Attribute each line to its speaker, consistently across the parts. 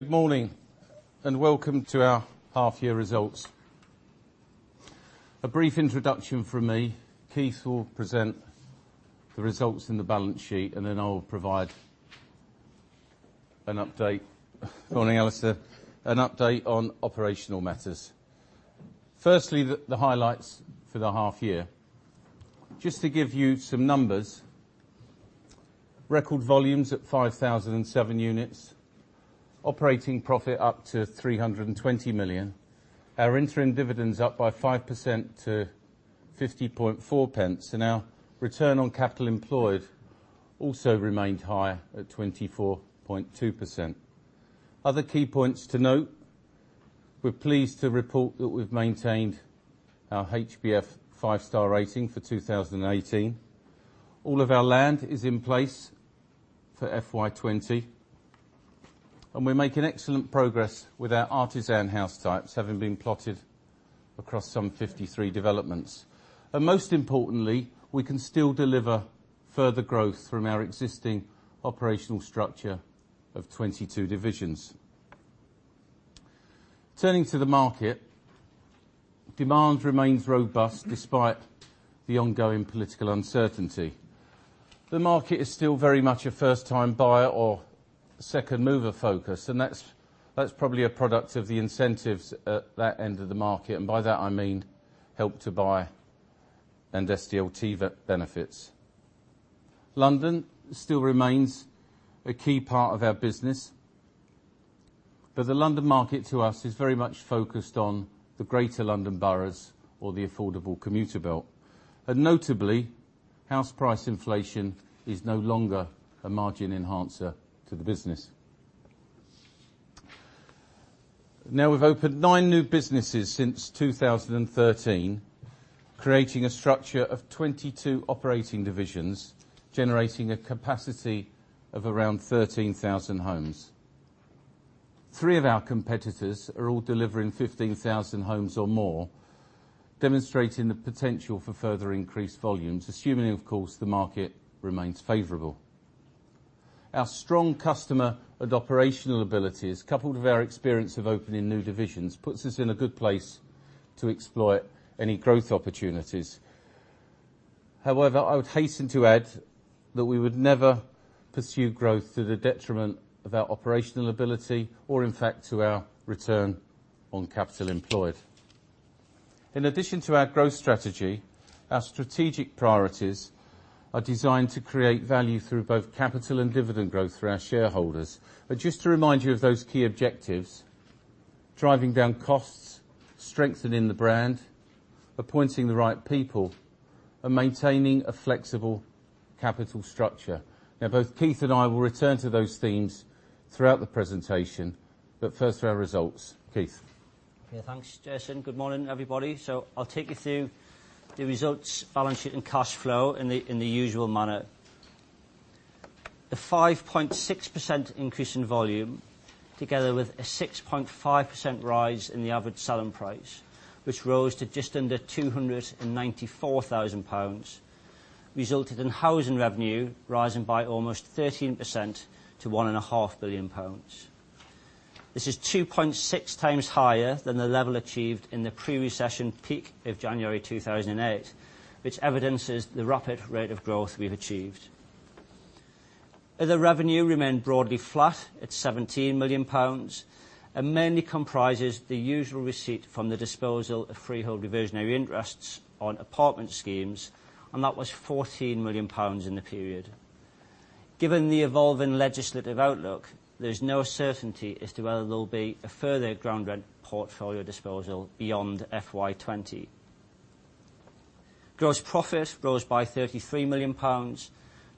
Speaker 1: Good morning, and welcome to our half year results. A brief introduction from me. Keith will present the results and the balance sheet, then I'll provide an update, morning, Alistair, on operational matters. Firstly, the highlights for the half year. Just to give you some numbers, record volumes at 5,007 units, operating profit up to 320 million. Our interim dividends up by 5% to 0.504. Our return on capital employed also remained high at 24.2%. Other key points to note, we're pleased to report that we've maintained our HBF five-star rating for 2018. All of our land is in place for FY 2020. We're making excellent progress with our Artisan house types, having been plotted across some 53 developments. Most importantly, we can still deliver further growth from our existing operational structure of 22 divisions. Turning to the market, demand remains robust despite the ongoing political uncertainty. The market is still very much a first-time buyer or second-mover focused, that's probably a product of the incentives at that end of the market, by that I mean Help to Buy and SDLT VAT benefits. London still remains a key part of our business, but the London market to us is very much focused on the greater London boroughs or the affordable commuter belt. Notably, house price inflation is no longer a margin enhancer to the business. We've opened nine new businesses since 2013, creating a structure of 22 operating divisions, generating a capacity of around 13,000 homes. Three of our competitors are all delivering 15,000 homes or more, demonstrating the potential for further increased volumes, assuming, of course, the market remains favorable. Our strong customer and operational abilities, coupled with our experience of opening new divisions, puts us in a good place to exploit any growth opportunities. However, I would hasten to add that we would never pursue growth to the detriment of our operational ability, or in fact, to our return on capital employed. In addition to our growth strategy, our strategic priorities are designed to create value through both capital and dividend growth for our shareholders. Just to remind you of those key objectives. Driving down costs, strengthening the brand, appointing the right people, and maintaining a flexible capital structure. Both Keith and I will return to those themes throughout the presentation, but first for our results. Keith.
Speaker 2: Okay. Thanks, Jason. Good morning, everybody. I'll take you through the results, balance sheet, and cash flow in the usual manner. A 5.6% increase in volume, together with a 6.5% rise in the average selling price, which rose to just under 294,000 pounds, resulted in housing revenue rising by almost 13% to one and a half billion GBP. This is 2.6 times higher than the level achieved in the pre-recession peak of January 2008, which evidences the rapid rate of growth we've achieved. Other revenue remained broadly flat at 17 million pounds, mainly comprises the usual receipt from the disposal of freehold reversionary interests on apartment schemes, that was 14 million pounds in the period. Given the evolving legislative outlook, there's no certainty as to whether there'll be a further ground rent portfolio disposal beyond FY 2020. Gross profit rose by 33 million pounds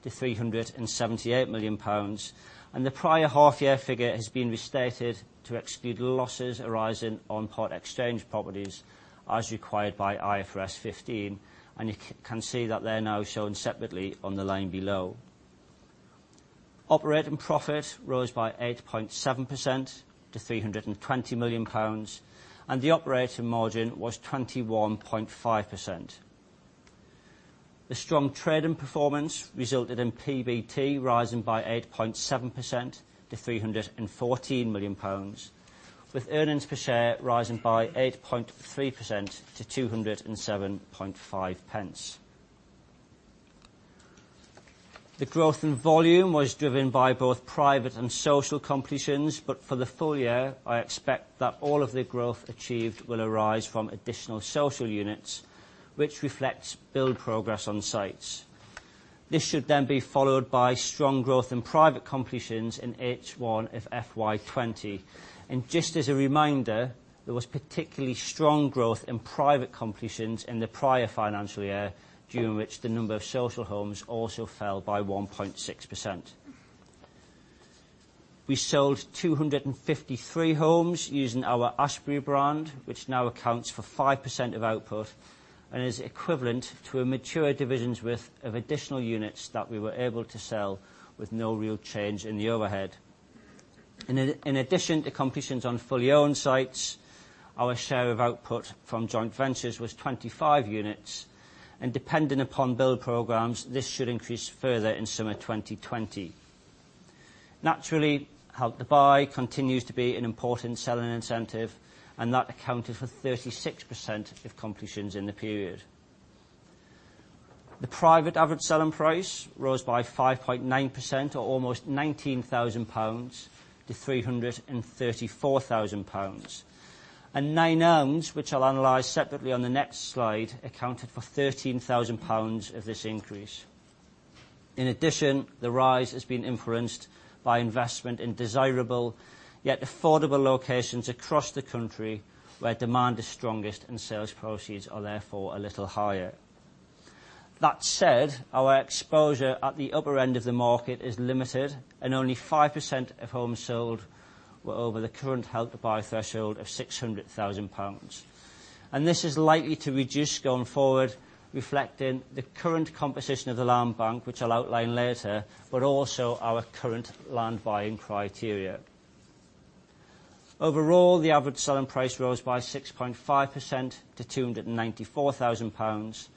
Speaker 2: to 378 million pounds, the prior half year figure has been restated to exclude losses arising on part exchange properties as required by IFRS 15. You can see that they're now shown separately on the line below. Operating profit rose by 8.7% to 320 million pounds, and the operating margin was 21.5%. A strong trading performance resulted in PBT rising by 8.7% to 314 million pounds, with earnings per share rising by 8.3% to 2.075. The growth in volume was driven by both private and social completions, for the full year, I expect that all of the growth achieved will arise from additional social units, which reflects build progress on sites. This should then be followed by strong growth in private completions in H1 of FY 2020. Just as a reminder, there was particularly strong growth in private completions in the prior financial year, during which the number of social homes also fell by 1.6%. We sold 253 homes using our Ashberry brand, which now accounts for 5% of output and is equivalent to a mature division's worth of additional units that we were able to sell with no real change in the overhead. In addition to completions on fully owned sites, our share of output from joint ventures was 25 units, depending upon build programs, this should increase further in summer 2020. Naturally, Help to Buy continues to be an important selling incentive, that accounted for 36% of completions in the period. The private average selling price rose by 5.9%, or almost 19,000 pounds, to 334,000 pounds. Nine Elms, which I'll analyze separately on the next slide, accounted for 13,000 pounds of this increase. In addition, the rise has been influenced by investment in desirable, yet affordable locations across the country where demand is strongest and sales proceeds are therefore a little higher. That said, our exposure at the upper end of the market is limited, only 5% of homes sold were over the current Help to Buy threshold of 600,000 pounds. This is likely to reduce going forward, reflecting the current composition of the land bank, which I'll outline later, but also our current land buying criteria. Overall, the average selling price rose by 6.5% to 294,000 pounds,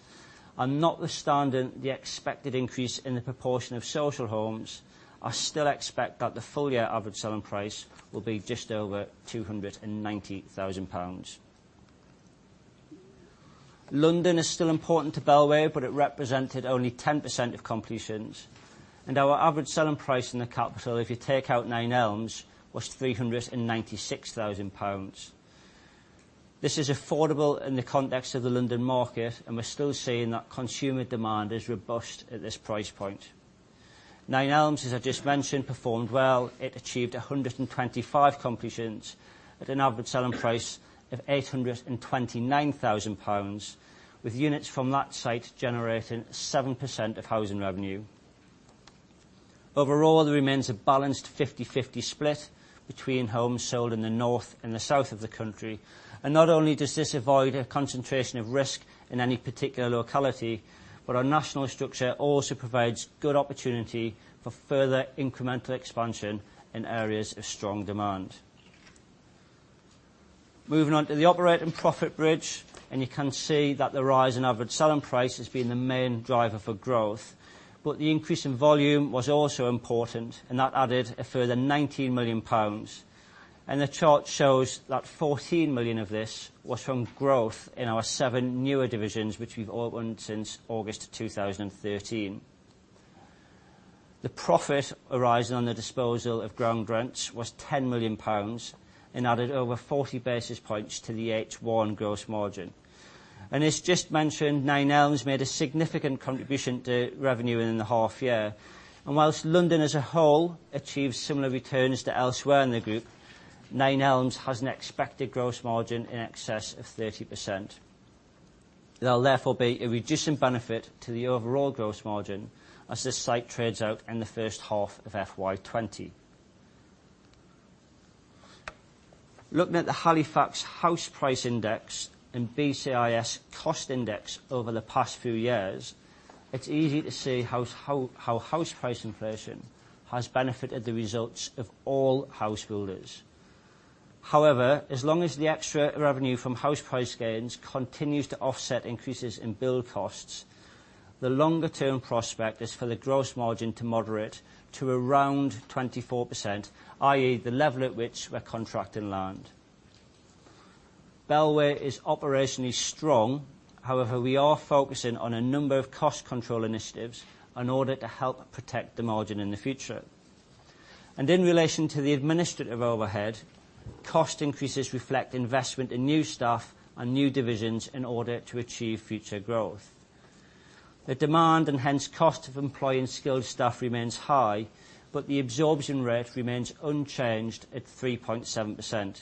Speaker 2: notwithstanding the expected increase in the proportion of social homes, I still expect that the full-year average selling price will be just over 290,000 pounds. London is still important to Bellway, it represented only 10% of completions, our average selling price in the capital, if you take out Nine Elms, was 396,000 pounds. This is affordable in the context of the London market, we're still seeing that consumer demand is robust at this price point. Nine Elms, as I just mentioned, performed well. It achieved 125 completions at an average selling price of 829,000 pounds, with units from that site generating 7% of housing revenue. Overall, there remains a balanced 50/50 split between homes sold in the north and the south of the country, not only does this avoid a concentration of risk in any particular locality, our national structure also provides good opportunity for further incremental expansion in areas of strong demand. Moving on to the operating profit bridge, you can see that the rise in average selling price has been the main driver for growth, but the increase in volume was also important, and that added a further 19 million pounds. The chart shows that 14 million of this was from growth in our seven newer divisions, which we've opened since August 2013. The profit arising on the disposal of ground rents was 10 million pounds and added over 40 basis points to the H1 gross margin. As just mentioned, Nine Elms made a significant contribution to revenue in the half year. Whilst London as a whole achieves similar returns to elsewhere in the group, Nine Elms has an expected gross margin in excess of 30%. There'll therefore be a reducing benefit to the overall gross margin as this site trades out in the first half of FY 2020. Looking at the Halifax House Price Index and BCIS Cost Index over the past few years, it's easy to see how house price inflation has benefited the results of all house builders. However, as long as the extra revenue from house price gains continues to offset increases in build costs, the longer-term prospect is for the gross margin to moderate to around 24%, i.e. the level at which we're contracting land. Bellway is operationally strong, however, we are focusing on a number of cost control initiatives in order to help protect the margin in the future. In relation to the administrative overhead, cost increases reflect investment in new staff and new divisions in order to achieve future growth. The demand, hence cost of employing skilled staff remains high, but the absorption rate remains unchanged at 3.7%.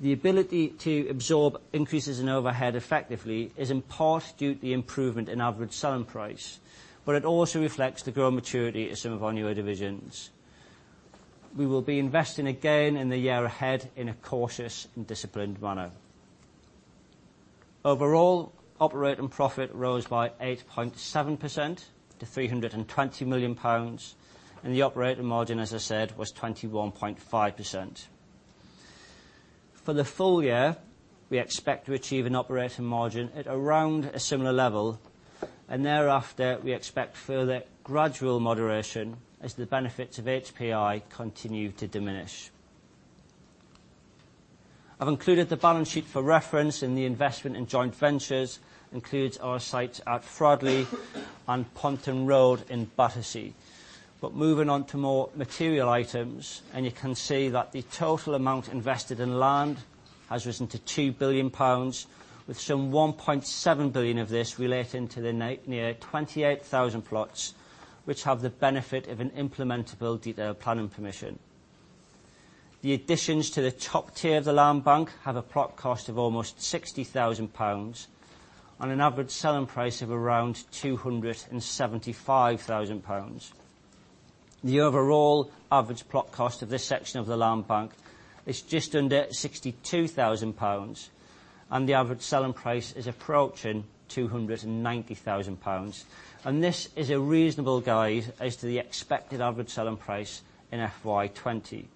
Speaker 2: The ability to absorb increases in overhead effectively is in part due to the improvement in average selling price, but it also reflects the growing maturity of some of our newer divisions. We will be investing again in the year ahead in a cautious and disciplined manner. Overall, operating profit rose by 8.7% to 320 million pounds, and the operating margin, as I said, was 21.5%. For the full year, we expect to achieve an operating margin at around a similar level, thereafter, we expect further gradual moderation as the benefits of HPI continue to diminish. I've included the balance sheet for reference, the investment in joint ventures includes our sites at Fradley and Ponton Road in Battersea. Moving on to more material items, you can see that the total amount invested in land has risen to 2 billion pounds with some 1.7 billion of this relating to the near 28,000 plots, which have the benefit of an implementable detailed planning permission. The additions to the top tier of the land bank have a plot cost of almost 60,000 pounds and an average selling price of around 275,000 pounds. The overall average plot cost of this section of the land bank is just under 62,000 pounds. The average selling price is approaching 290,000 pounds. This is a reasonable guide as to the expected average selling price in FY 2020.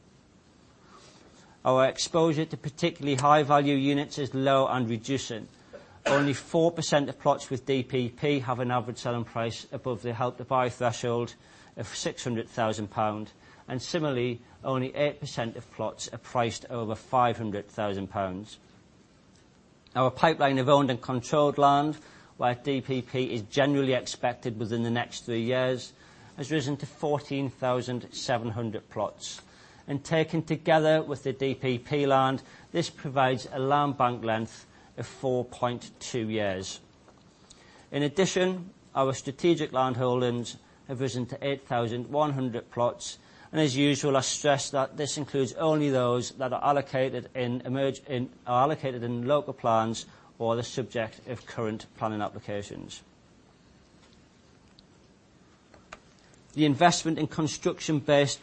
Speaker 2: Our exposure to particularly high-value units is low and reducing. Only 4% of plots with DPP have an average selling price above the Help to Buy threshold of 600,000 pounds. Similarly, only 8% of plots are priced over 500,000 pounds. Our pipeline of owned and controlled land, where DPP is generally expected within the next three years, has risen to 14,700 plots. Taken together with the DPP land, this provides a land bank length of 4.2 years. In addition, our strategic land holdings have risen to 8,100 plots, as usual, I stress that this includes only those that are allocated in local plans or the subject of current planning applications. The investment in construction-based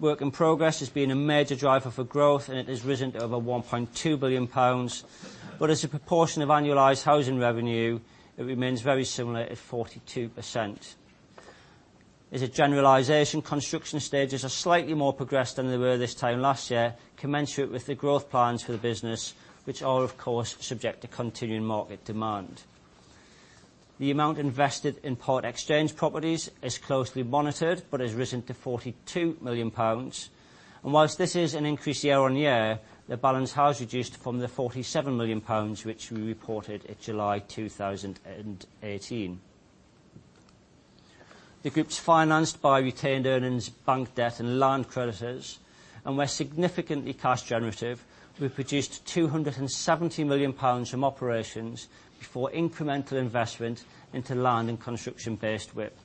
Speaker 2: work in progress has been a major driver for growth, and it has risen to over 1.2 billion pounds, but as a proportion of annualized housing revenue, it remains very similar at 42%. As a generalization, construction stages are slightly more progressed than they were this time last year, commensurate with the growth plans for the business, which are, of course, subject to continuing market demand. The amount invested in part exchange properties is closely monitored but has risen to 42 million pounds. Whilst this is an increase year on year, the balance has reduced from the 47 million pounds, which we reported in July 2018. The group's financed by retained earnings, bank debt, and land creditors, and we're significantly cash generative. We've produced 270 million pounds from operations before incremental investment into land and construction-based WIP.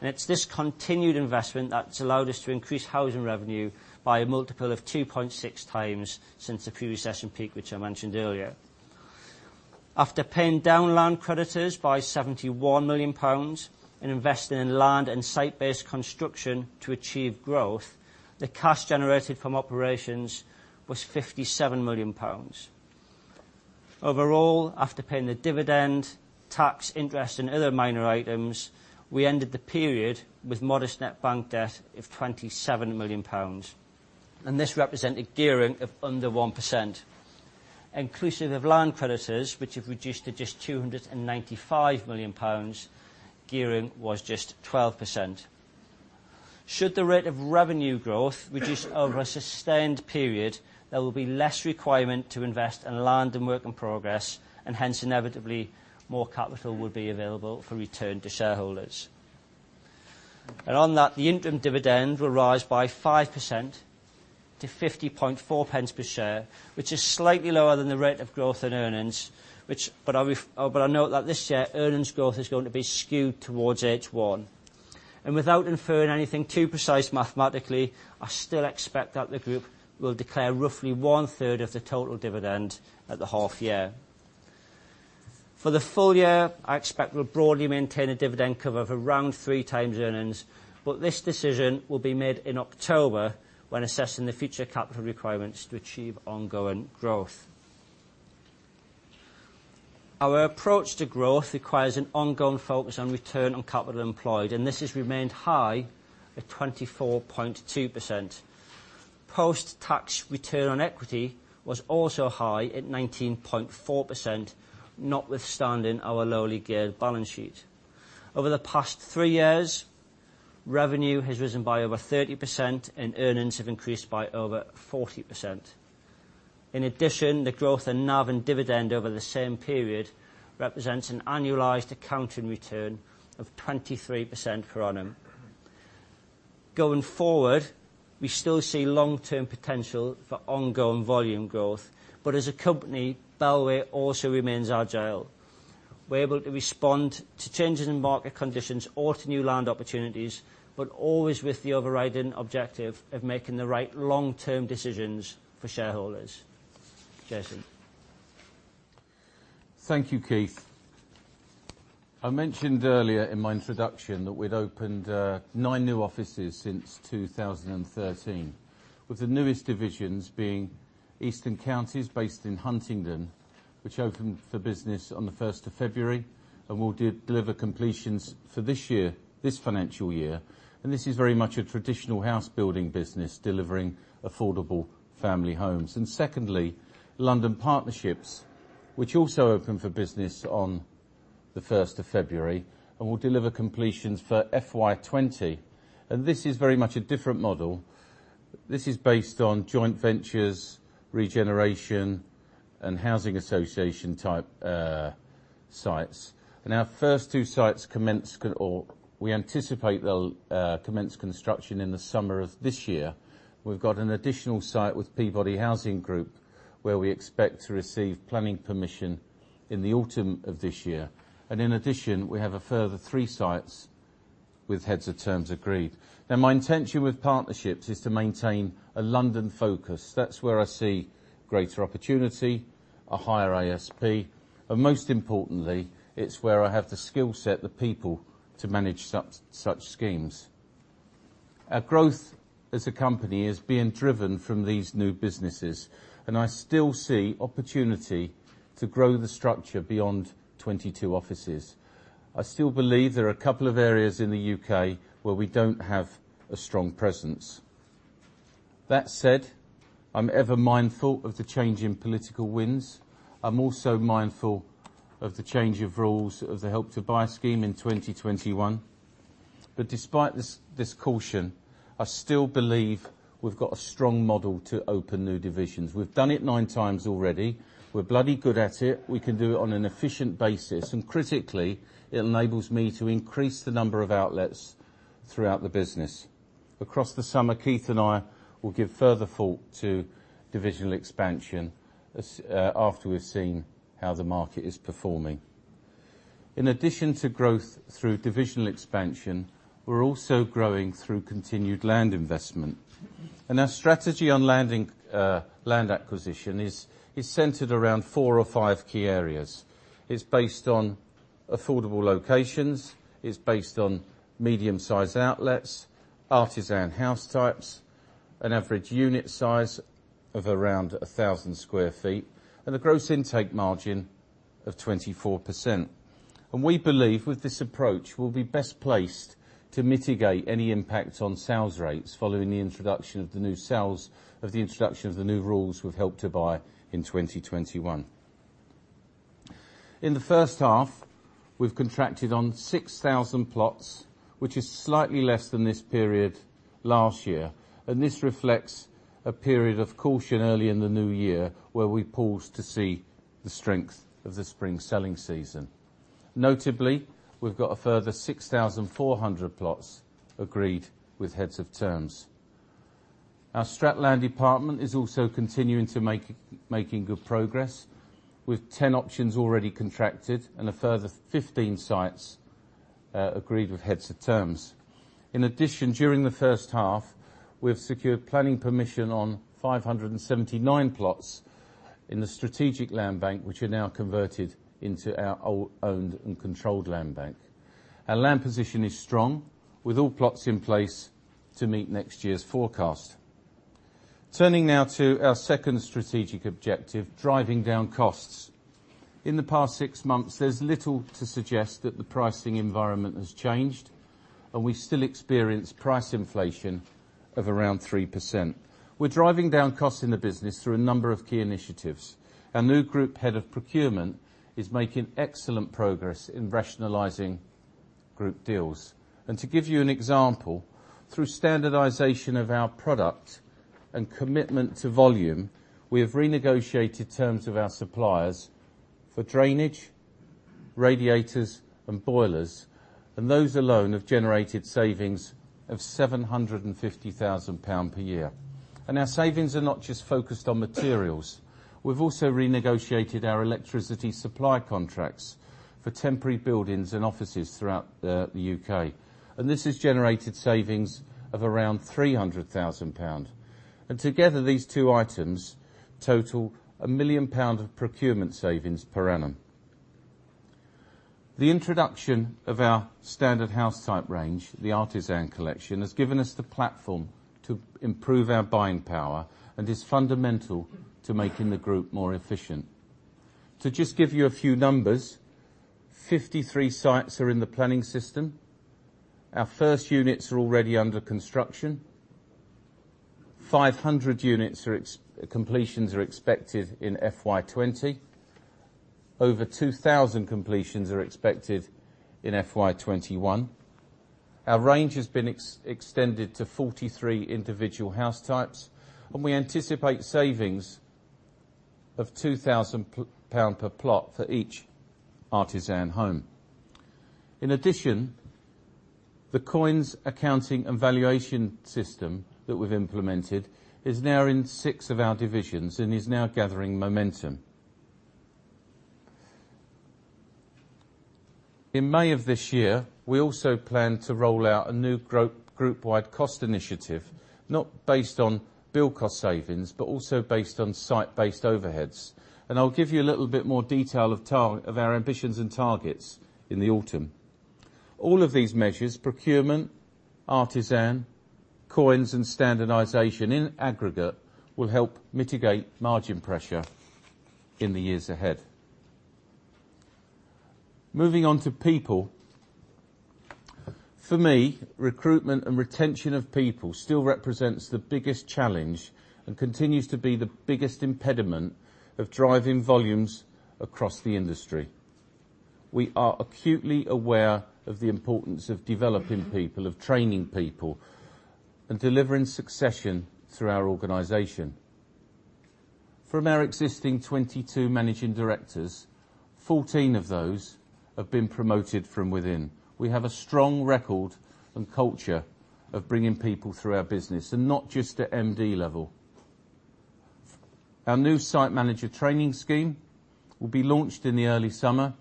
Speaker 2: It's this continued investment that's allowed us to increase housing revenue by a multiple of 2.6 times since the pre-recession peak, which I mentioned earlier. After paying down land creditors by 71 million pounds and investing in land and site-based construction to achieve growth, the cash generated from operations was 57 million pounds. Overall, after paying the dividend, tax, interest, and other minor items, we ended the period with modest net bank debt of 27 million pounds. This represented gearing of under 1%. Inclusive of land creditors, which have reduced to just 295 million pounds, gearing was just 12%. Should the rate of revenue growth reduce over a sustained period, there will be less requirement to invest in land and work in progress, and hence, inevitably, more capital would be available for return to shareholders. On that, the interim dividend will rise by 5% to 0.504 per share, which is slightly lower than the rate of growth in earnings. I note that this year, earnings growth is going to be skewed towards H1. Without inferring anything too precise mathematically, I still expect that the group will declare roughly one-third of the total dividend at the half year. For the full year, I expect we'll broadly maintain a dividend cover of around three times earnings, but this decision will be made in October when assessing the future capital requirements to achieve ongoing growth. Our approach to growth requires an ongoing focus on return on capital employed, and this has remained high at 24.2%. Post-tax return on equity was also high at 19.4%, notwithstanding our lowly geared balance sheet. Over the past three years, revenue has risen by over 30%, and earnings have increased by over 40%. In addition, the growth in NAV and dividend over the same period represents an annualized accounting return of 23% per annum. Going forward, we still see long-term potential for ongoing volume growth, but as a company, Bellway also remains agile. We are able to respond to changes in market conditions or to new land opportunities, but always with the overriding objective of making the right long-term decisions for shareholders. Jason.
Speaker 1: Thank you, Keith. I mentioned earlier in my introduction that we'd opened nine new offices since 2013, with the newest divisions being Eastern Counties, based in Huntingdon, which opened for business on the 1st of February and will deliver completions for this year, this financial year. This is very much a traditional house building business delivering affordable family homes. Secondly, London Partnerships, which also opened for business on the 1st of February and will deliver completions for FY 2020. This is very much a different model. This is based on joint ventures, regeneration, and housing association type sites. Our first two sites commenced, or we anticipate they'll commence construction in the summer of this year. We've got an additional site with Peabody Group, where we expect to receive planning permission in the autumn of this year. In addition, we have a further three sites with heads of terms agreed. Now, my intention with Partnerships is to maintain a London focus. That's where I see greater opportunity, a higher ASP, and most importantly, it's where I have the skill set, the people to manage such schemes. Our growth as a company is being driven from these new businesses, and I still see opportunity to grow the structure beyond 22 offices. I still believe there are a couple of areas in the U.K. where we don't have a strong presence. That said, I'm ever mindful of the change in political winds. I'm also mindful of the change of rules of the Help to Buy scheme in 2021. Despite this caution, I still believe we've got a strong model to open new divisions. We've done it nine times already. We're bloody good at it. We can do it on an efficient basis, and critically, it enables me to increase the number of outlets throughout the business. Across the summer, Keith and I will give further thought to divisional expansion, after we've seen how the market is performing. In addition to growth through divisional expansion, we're also growing through continued land investment. Our strategy on land acquisition is centered around four or five key areas. It's based on affordable locations, it's based on medium-sized outlets, Artisan house types, an average unit size of around 1,000 sq ft, and a gross intake margin of 24%. We believe, with this approach, we'll be best placed to mitigate any impact on sales rates following the introduction of the new rules with Help to Buy in 2021. In the first half, we've contracted on 6,000 plots, which is slightly less than this period last year. This reflects a period of caution early in the new year, where we paused to see the strength of the spring selling season. Notably, we've got a further 6,400 plots agreed with heads of terms. Our strat land department is also continuing to making good progress, with 10 options already contracted and a further 15 sites agreed with heads of terms. In addition, during the first half, we have secured planning permission on 579 plots in the strategic land bank, which are now converted into our owned and controlled land bank. Our land position is strong, with all plots in place to meet next year's forecast. Turning now to our second strategic objective, driving down costs. In the past six months, there's little to suggest that the pricing environment has changed. We still experience price inflation of around 3%. We're driving down costs in the business through a number of key initiatives. Our new Group Head of Procurement is making excellent progress in rationalizing group deals. To give you an example, through standardization of our product and commitment to volume, we have renegotiated terms with our suppliers for drainage, radiators, and boilers. Those alone have generated savings of 750,000 pounds per year. Our savings are not just focused on materials. We've also renegotiated our electricity supply contracts for temporary buildings and offices throughout the U.K. This has generated savings of around 300,000 pounds. Together, these two items total 1 million pound of procurement savings per annum. The introduction of our standard house type range, the Artisan Collection, has given us the platform to improve our buying power and is fundamental to making the group more efficient. To just give you a few numbers, 53 sites are in the planning system. Our first units are already under construction. 500 unit completions are expected in FY 2020. Over 2,000 completions are expected in FY 2021. Our range has been extended to 43 individual house types, and we anticipate savings of 2,000 pound per plot for each Artisan home. In addition, the COINS accounting and valuation system that we've implemented is now in 6 of our divisions and is now gathering momentum. In May of this year, we also plan to roll out a new group-wide cost initiative, not based on build cost savings, but also based on site-based overheads. I'll give you a little bit more detail of our ambitions and targets in the autumn. All of these measures, procurement, Artisan, COINS, and standardization in aggregate, will help mitigate margin pressure in the years ahead. Moving on to people. For me, recruitment and retention of people still represents the biggest challenge and continues to be the biggest impediment of driving volumes across the industry. We are acutely aware of the importance of developing people, of training people, and delivering succession through our organization. From our existing 22 managing directors, 14 of those have been promoted from within. We have a strong record and culture of bringing people through our business, and not just at MD level. Our new site manager training scheme will be launched in the early summer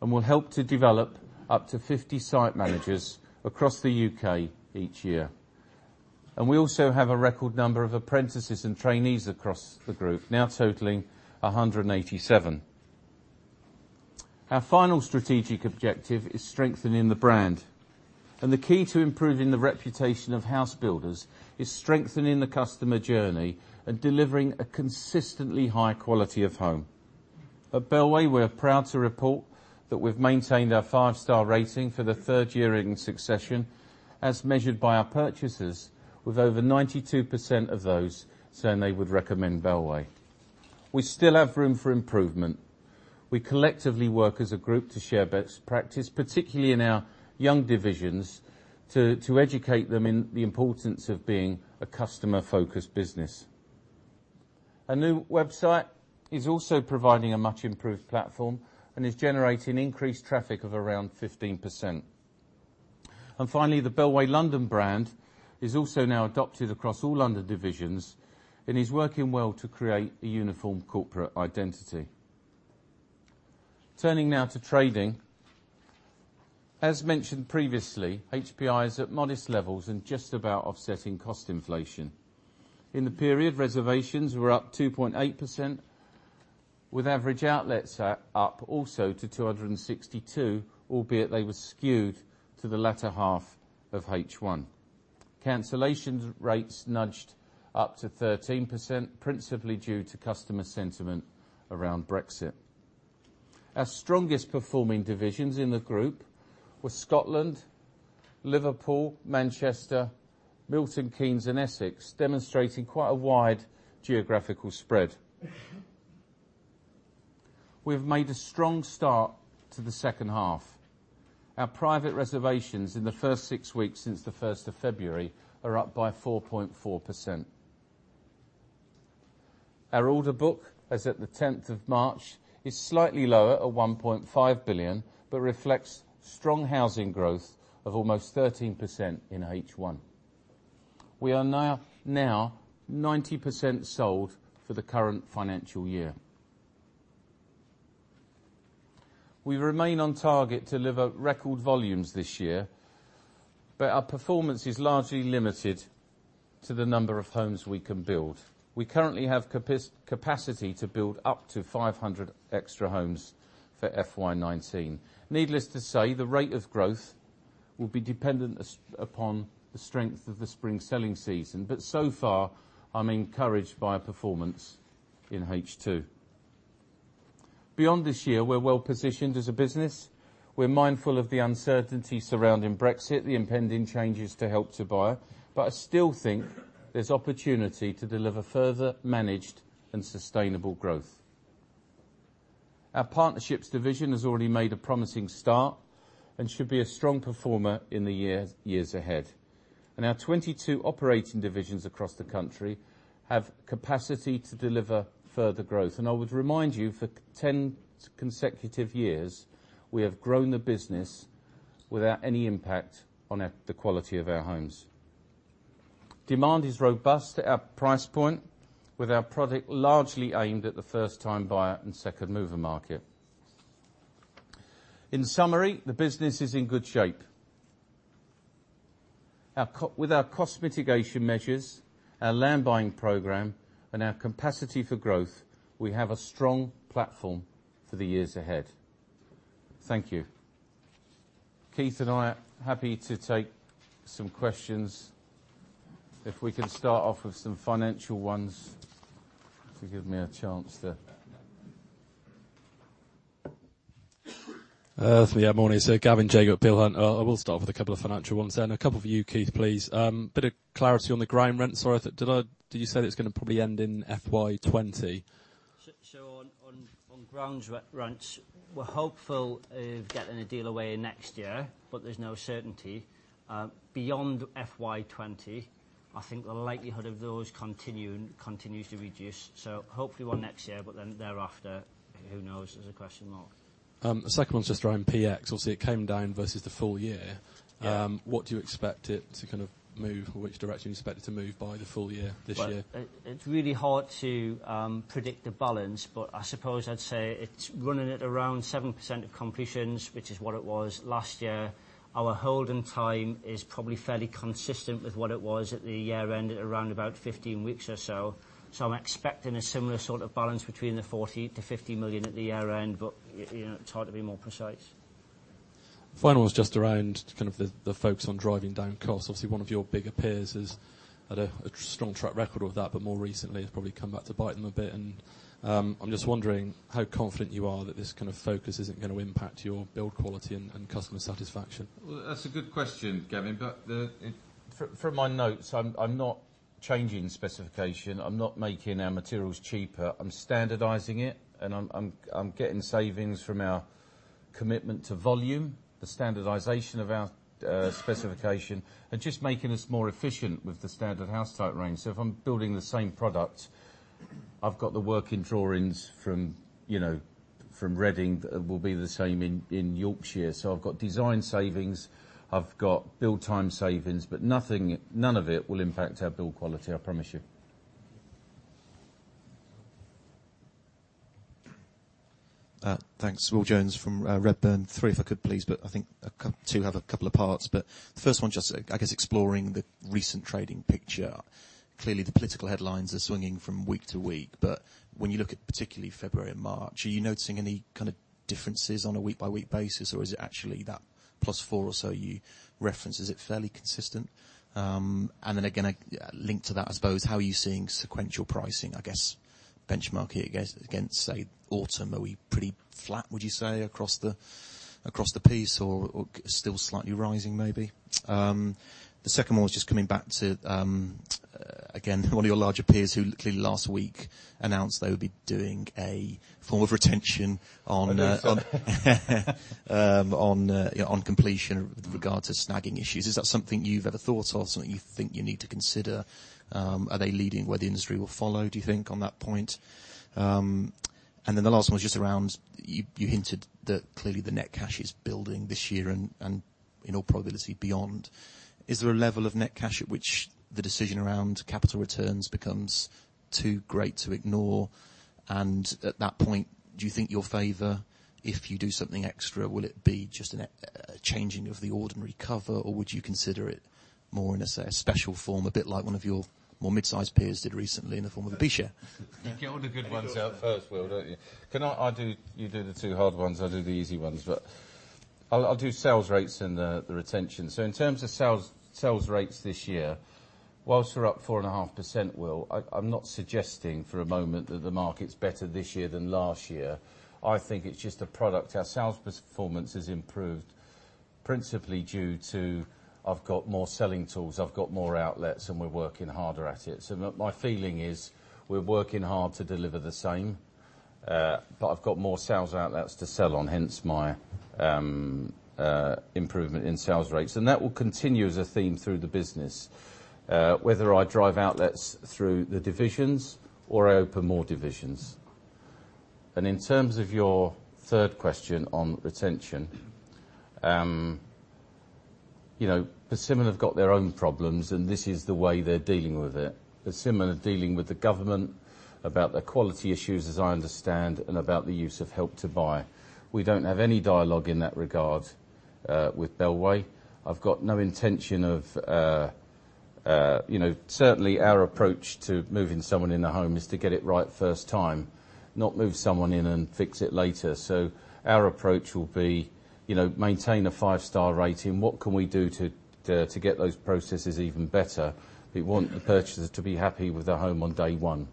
Speaker 1: and will help to develop up to 50 site managers across the U.K. each year. We also have a record number of apprentices and trainees across the group, now totaling 187. Our final strategic objective is strengthening the brand. The key to improving the reputation of housebuilders is strengthening the customer journey and delivering a consistently high quality of home. At Bellway, we're proud to report that we've maintained our five-star rating for the third year in succession, as measured by our purchasers, with over 92% of those saying they would recommend Bellway. We still have room for improvement. We collectively work as a group to share best practice, particularly in our young divisions, to educate them in the importance of being a customer-focused business. Our new website is also providing a much improved platform and is generating increased traffic of around 15%. Finally, the Bellway London brand is also now adopted across all London divisions and is working well to create a uniform corporate identity. Turning now to trading. As mentioned previously, HPI is at modest levels and just about offsetting cost inflation. In the period, reservations were up 2.8%, with average outlets up also to 262, albeit they were skewed to the latter half of H1. Cancellation rates nudged up to 13%, principally due to customer sentiment around Brexit. Our strongest performing divisions in the group were Scotland, Liverpool, Manchester, Milton Keynes, and Essex, demonstrating quite a wide geographical spread. We've made a strong start to the second half. Our private reservations in the first six weeks since the 1st of February are up by 4.4%. Our order book, as at the 10th of March, is slightly lower at 1.5 billion, but reflects strong housing growth of almost 13% in H1. We are now 90% sold for the current financial year. We remain on target to deliver record volumes this year, but our performance is largely limited to the number of homes we can build. We currently have capacity to build up to 500 extra homes for FY 2019. Needless to say, the rate of growth will be dependent upon the strength of the spring selling season. So far, I'm encouraged by our performance in H2. Beyond this year, we're well-positioned as a business. We're mindful of the uncertainty surrounding Brexit, the impending changes to Help to Buy, but I still think there's opportunity to deliver further managed and sustainable growth. Our partnerships division has already made a promising start and should be a strong performer in the years ahead. Our 22 operating divisions across the country have capacity to deliver further growth. I would remind you, for 10 consecutive years, we have grown the business without any impact on the quality of our homes. Demand is robust at our price point, with our product largely aimed at the first-time buyer and second-mover market. In summary, the business is in good shape. With our cost mitigation measures, our land buying program, and our capacity for growth, we have a strong platform for the years ahead. Thank you. Keith and I are happy to take some questions. If we can start off with some financial ones to give me a chance to
Speaker 3: Yeah, morning, sir. Gavin Jago, Peel Hunt. I will start off with a couple of financial ones. A couple for you, Keith, please. A bit of clarity on the ground rents. Did you say that it is going to probably end in FY 2020?
Speaker 2: On ground rents, we are hopeful of getting a deal away next year, there is no certainty. Beyond FY 2020, I think the likelihood of those continues to reduce. Hopefully one next year, thereafter, who knows? There is a question mark.
Speaker 3: The second one is just around PX. Obviously, it came down versus the full year.
Speaker 2: Yeah.
Speaker 3: What do you expect it to kind of move, which direction do you expect it to move by the full year this year?
Speaker 2: It's really hard to predict the balance, but I suppose I'd say it's running at around 7% of completions, which is what it was last year. Our holding time is probably fairly consistent with what it was at the year end, at around about 15 weeks or so. I'm expecting a similar sort of balance between the 40 million-50 million at the year end, but it's hard to be more precise.
Speaker 3: Final one was just around kind of the focus on driving down costs. One of your bigger peers has had a strong track record of that, but more recently it's probably come back to bite them a bit, and I'm just wondering how confident you are that this kind of focus isn't going to impact your build quality and customer satisfaction.
Speaker 1: That's a good question, Gavin. From my notes, I'm not changing specification. I'm not making our materials cheaper. I'm standardizing it and I'm getting savings from our commitment to volume, the standardization of our specification, and just making us more efficient with the standard house type range. If I'm building the same product, I've got the working drawings from Reading that will be the same in Yorkshire. I've got design savings, I've got build time savings, but none of it will impact our build quality, I promise you.
Speaker 4: Thanks. Will Jones from Redburn. Three if I could, please, but I think two have a couple of parts. The first one just, I guess, exploring the recent trading picture. The political headlines are swinging from week to week, but when you look at particularly February and March, are you noticing any kind of differences on a week-by-week basis, or is it actually that plus four or so you referenced, is it fairly consistent? Then again, linked to that, I suppose, how are you seeing sequential pricing? I guess benchmarking it against, say, autumn. Are we pretty flat, would you say, across the piece, or still slightly rising maybe? The second one was just coming back to, again, one of your larger peers who clearly last week announced they would be doing a form of retention on-
Speaker 1: I know who you're talking about.
Speaker 4: On completion with regard to snagging issues. Is that something you've ever thought of, something you think you need to consider? Are they leading where the industry will follow, do you think, on that point? Then the last one was just around, you hinted that clearly the net cash is building this year and in all probability, beyond. Is there a level of net cash at which the decision around capital returns becomes too great to ignore? At that point, do you think you'll favor, if you do something extra, will it be just a changing of the ordinary cover, or would you consider it more in a special form, a bit like one of your more midsize peers did recently in the form of a B share?
Speaker 1: You get all the good ones out first, Will, don't you? You do the two hard ones, I'll do the easy ones. I'll do sales rates and the retention. In terms of sales rates this year, whilst we're up 4.5%, Will, I'm not suggesting for a moment that the market's better this year than last year. I think it's just a product. Our sales performance has improved principally due to I've got more selling tools, I've got more outlets, and we're working harder at it. My feeling is we're working hard to deliver the same, but I've got more sales outlets to sell on, hence my improvement in sales rates. That will continue as a theme through the business, whether I drive outlets through the divisions or I open more divisions. In terms of your third question on retention, Persimmon have got their own problems, and this is the way they're dealing with it. Persimmon are dealing with the government about their quality issues, as I understand, and about the use of Help to Buy. We don't have any dialogue in that regard with Bellway. I've got no intention of Certainly, our approach to moving someone in a home is to get it right first time, not move someone in and fix it later. Our approach will be maintain a five-star rating. What can we do to get those processes even better? We want the purchaser to be happy with their home on day one.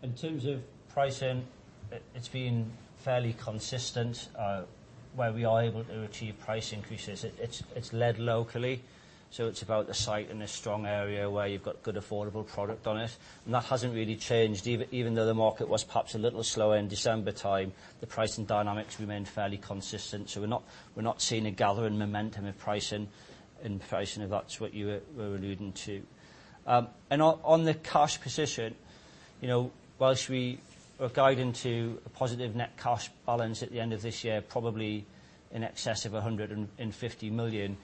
Speaker 2: In terms of pricing, it's been fairly consistent. Where we are able to achieve price increases, it's led locally, so it's about the site and a strong area where you've got good affordable product on it. That hasn't really changed. Even though the market was perhaps a little slower in December time, the pricing dynamics remained fairly consistent. We're not seeing a gathering momentum in pricing, if that's what you were alluding to. On the cash position, whilst we are guiding to a positive net cash balance at the end of this year, probably in excess of 150 million,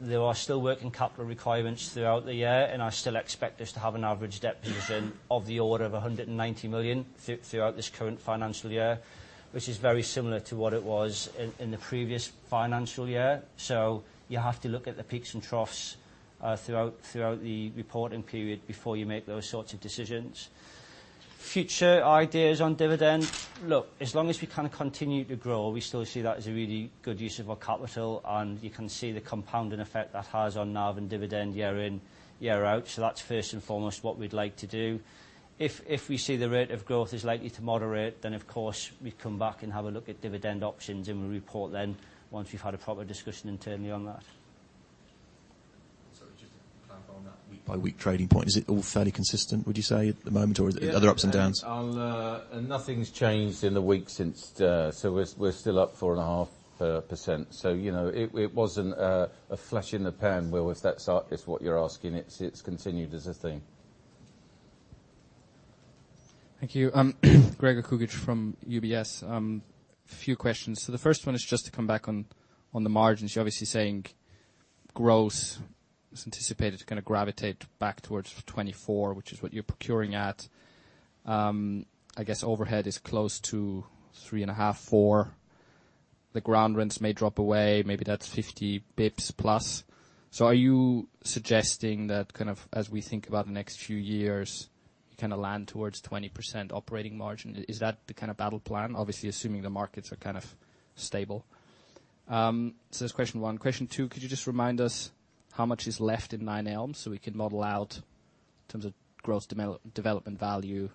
Speaker 2: there are still working capital requirements throughout the year, I still expect us to have an average debt position of the order of 190 million throughout this current financial year, which is very similar to what it was in the previous financial year. You have to look at the peaks and troughs throughout the reporting period before you make those sorts of decisions. Future ideas on dividend. Look, as long as we continue to grow, we still see that as a really good use of our capital, and you can see the compounding effect that has on NAV and dividend year in, year out. That's first and foremost what we'd like to do. If we see the rate of growth is likely to moderate, then of course we'd come back and have a look at dividend options and we'll report then once we've had a proper discussion internally on that.
Speaker 4: Sorry, just to clarify on that week-by-week trading point, is it all fairly consistent, would you say, at the moment, or are there other ups and downs?
Speaker 1: Nothing's changed in the week since, we're still up 4.5%. It wasn't a flash in the pan, Will, if that's what you're asking. It's continued as a thing.
Speaker 5: Thank you. Gregor Kuglitsch from UBS. A few questions. The first one is just to come back on the margins. You're obviously saying growth is anticipated to kind of gravitate back towards 24, which is what you're procuring at. I guess overhead is close to 3.5, 4. The ground rents may drop away. Maybe that's 50 basis points plus. Are you suggesting that kind of as we think about the next few years, you kind of land towards 20% operating margin? Is that the kind of battle plan, obviously assuming the markets are kind of stable? That's question one. Question two, could you just remind us how much is left in Nine Elms so we can model out in terms of gross development value?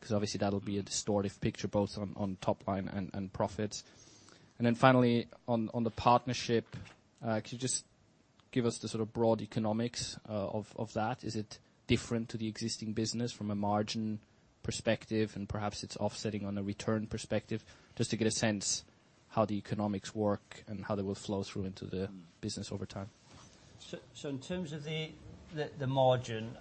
Speaker 5: Because obviously that'll be a distortive picture both on top line and profits. Finally, on the partnership, could you just give us the sort of broad economics of that? Is it different to the existing business from a margin perspective and perhaps it's offsetting on a return perspective? Just to get a sense how the economics work and how they will flow through into the business over time.
Speaker 2: In terms of the margin,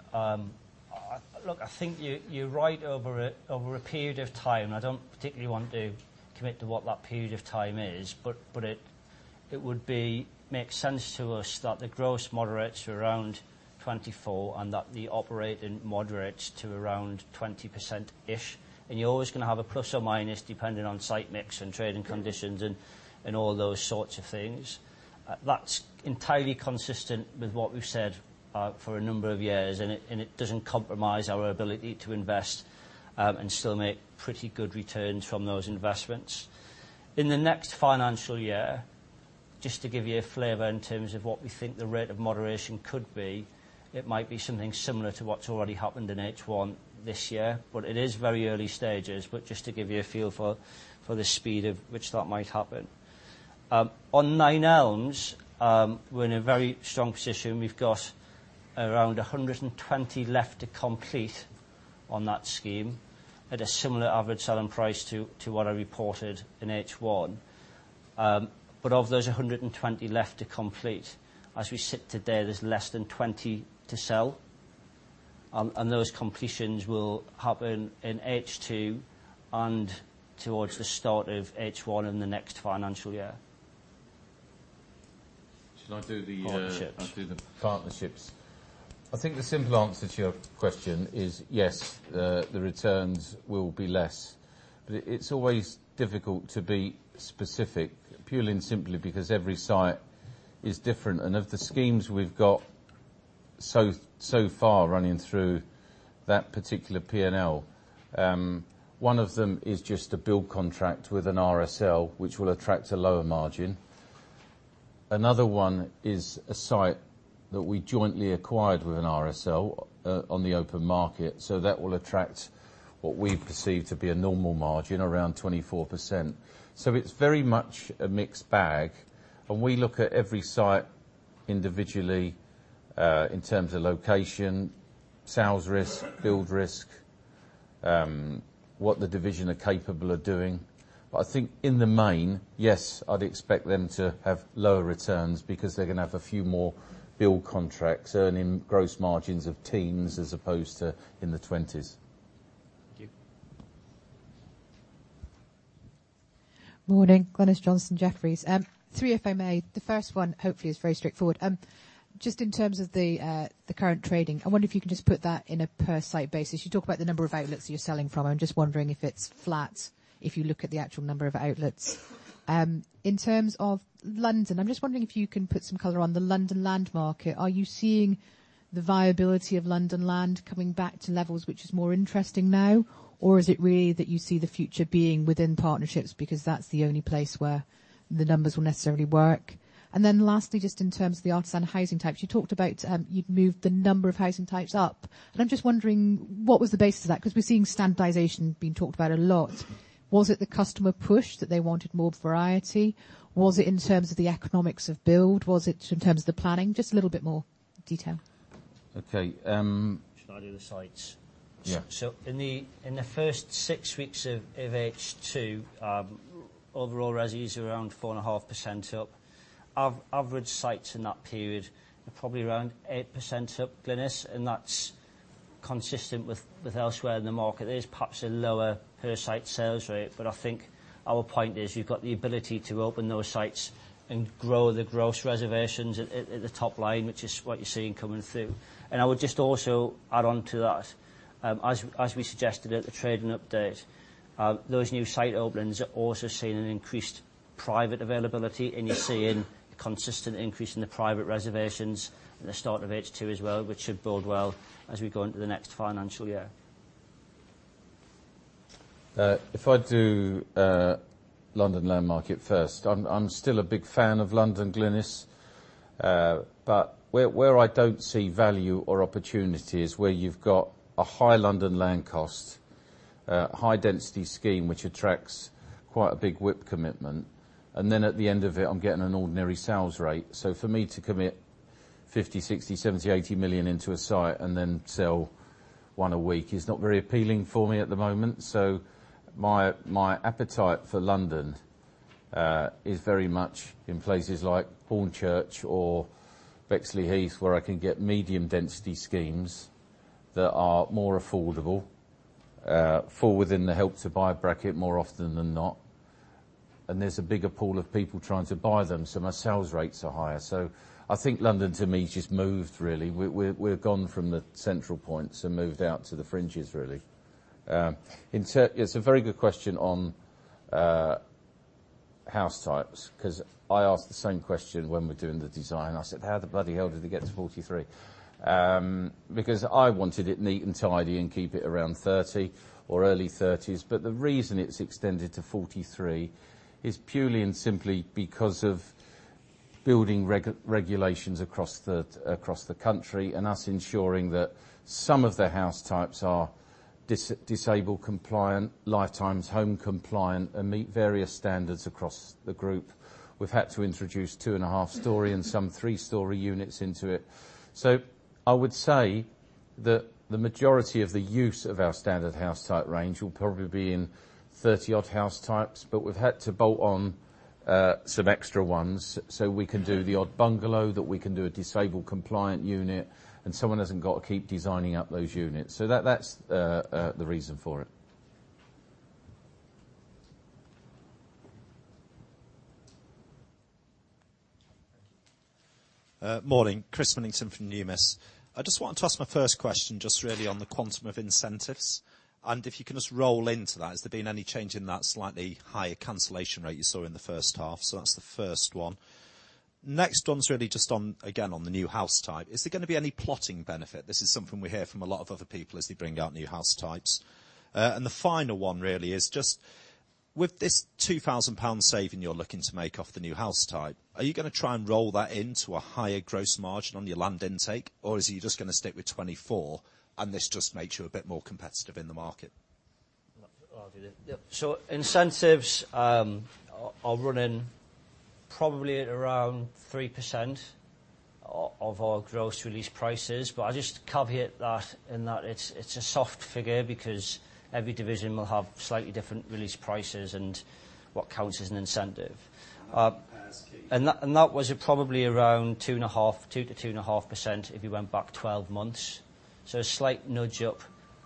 Speaker 2: look, I think you're right. Over a period of time, I don't particularly want to commit to what that period of time is, but it would make sense to us that the growth moderates around 24, and that the operating moderates to around 20%-ish. You're always going to have a plus or minus depending on site mix and trading conditions and all those sorts of things. That's entirely consistent with what we've said for a number of years, and it doesn't compromise our ability to invest and still make pretty good returns from those investments. In the next financial year, just to give you a flavor in terms of what we think the rate of moderation could be, it might be something similar to what's already happened in H1 this year, but it is very early stages. Just to give you a feel for the speed of which that might happen. On Nine Elms, we're in a very strong position. We've got around 120 left to complete on that scheme, at a similar average selling price to what I reported in H1. Of those 120 left to complete, as we sit today, there's less than 20 to sell, and those completions will happen in H2 and towards the start of H1 in the next financial year.
Speaker 1: Should I do the
Speaker 2: Partnerships
Speaker 1: I'll do the partnerships. I think the simple answer to your question is yes, the returns will be less. It's always difficult to be specific, purely and simply because every site is different. Of the schemes we've got so far running through that particular P&L, one of them is just a build contract with an RSL, which will attract a lower margin. Another one is a site that we jointly acquired with an RSL on the open market, so that will attract what we perceive to be a normal margin, around 24%. It's very much a mixed bag, and we look at every site individually, in terms of location, sales risk, build risk, what the division are capable of doing. I think in the main, yes, I'd expect them to have lower returns, because they're going to have a few more build contracts earning gross margins of teens, as opposed to in the 20s.
Speaker 2: Thank you.
Speaker 6: Morning. Glynis Johnson, Jefferies. Three, if I may. The first one, hopefully, is very straightforward. In terms of the current trading, I wonder if you can just put that in a per site basis. You talk about the number of outlets that you're selling from. I'm just wondering if it's flat, if you look at the actual number of outlets. In terms of London, I'm just wondering if you can put some color on the London land market. Are you seeing the viability of London land coming back to levels which is more interesting now? Is it really that you see the future being within partnerships because that's the only place where the numbers will necessarily work? Lastly, just in terms of the Artisan housing types, you talked about you'd moved the number of housing types up, and I'm just wondering what was the basis of that? We're seeing standardization being talked about a lot. Was it the customer push, that they wanted more variety? Was it in terms of the economics of build? Was it in terms of the planning? Just a little bit more detail.
Speaker 1: Okay.
Speaker 2: Should I do the sites?
Speaker 1: Yeah.
Speaker 2: In the first six weeks of H2, overall resis are around 4.5% up. Average sites in that period are probably around 8% up, Glynis. That's consistent with elsewhere in the market. It is perhaps a lower per site sales rate. I think our point is you've got the ability to open those sites and grow the gross reservations at the top line, which is what you're seeing coming through. I would just also add on to that, as we suggested at the trading update, those new site openings are also seeing an increased private availability. You're seeing a consistent increase in the private reservations at the start of H2 as well, which should bode well as we go into the next financial year.
Speaker 1: If I do London land market first, I'm still a big fan of London, Glynis. Where I don't see value or opportunity is where you've got a high London land cost, a high density scheme which attracts quite a big WIP commitment, and then at the end of it, I'm getting an ordinary sales rate. For me to commit 50 million, 60 million, 70 million, 80 million into a site and then sell one a week is not very appealing for me at the moment. My appetite for London is very much in places like Hornchurch or Bexleyheath, where I can get medium density schemes that are more affordable, fall within the Help to Buy bracket more often than not. There's a bigger pool of people trying to buy them, so my sales rates are higher. I think London to me just moved really. We've gone from the central points and moved out to the fringes, really. It's a very good question on house types, because I ask the same question when we're doing the design. I said, "How the bloody hell did it get to 43?" I wanted it neat and tidy and keep it around 30 or early 30s. The reason it's extended to 43 is purely and simply because of building regulations across the country and us ensuring that some of the house types are disabled compliant, Lifetime Homes compliant, and meet various standards across the group. We've had to introduce two and a half story and some three story units into it. I would say that the majority of the use of our standard house type range will probably be in 30-odd house types, we've had to bolt on some extra ones so we can do the odd bungalow, that we can do a disabled compliant unit, and someone hasn't got to keep designing up those units. That's the reason for it.
Speaker 7: Thank you. Morning. Chris Millington from Numis. I just wanted to ask my first question, just really on the quantum of incentives. If you can just roll into that, has there been any change in that slightly higher cancellation rate you saw in the first half? That's the first one. Next one's really just on, again, on the new house type. Is there going to be any plotting benefit? This is something we hear from a lot of other people as they bring out new house types. The final one really is just, with this 2,000 pound saving you're looking to make off the new house type, are you going to try and roll that into a higher gross margin on your land intake, or is it you're just going to stick with 24%, and this just makes you a bit more competitive in the market?
Speaker 2: I'll do it. Incentives are running probably at around 3% of our gross release prices. I'll just caveat that in that it's a soft figure because every division will have slightly different release prices and what counts as an incentive.
Speaker 7: As Keith.
Speaker 2: That was probably around 2%-2.5% if you went back 12 months. A slight nudge up,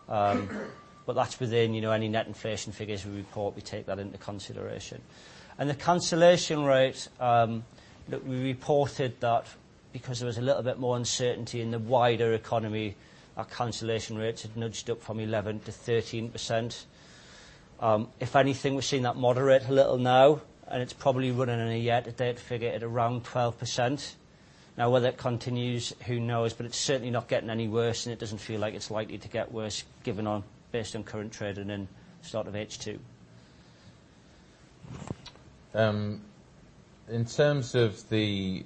Speaker 2: but that's within any net inflation figures we report, we take that into consideration. The cancellation rate, look, we reported that because there was a little bit more uncertainty in the wider economy, our cancellation rates had nudged up from 11%-13%. If anything, we've seen that moderate a little now, and it's probably running at a year-to-date figure at around 12%. Whether it continues, who knows? It's certainly not getting any worse, and it doesn't feel like it's likely to get worse based on current trading in the start of H2.
Speaker 1: In terms of the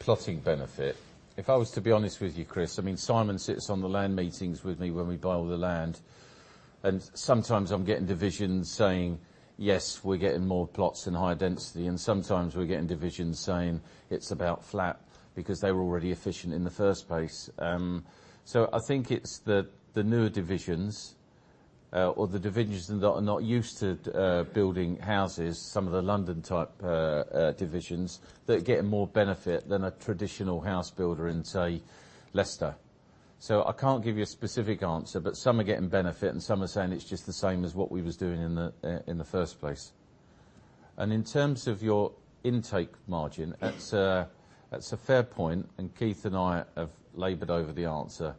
Speaker 1: plotting benefit, if I was to be honest with you, Chris, Simon sits on the land meetings with me when we buy all the land. Sometimes I'm getting divisions saying, "Yes, we're getting more plots and higher density." Sometimes we're getting divisions saying, "It's about flat," because they were already efficient in the first place. I think it's the newer divisions, or the divisions that are not used to building houses, some of the London type divisions, that are getting more benefit than a traditional house builder in, say, Leicester. I can't give you a specific answer, some are getting benefit, and some are saying it's just the same as what we was doing in the first place. In terms of your intake margin, that's a fair point, Keith and I have labored over the answer